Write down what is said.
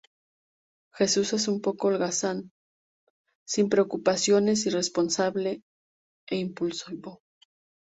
Jesús es un poco holgazán, sin preocupaciones, irresponsable, e impulsivo.